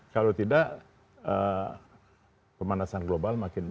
kalau tidak pemanasan global makin baik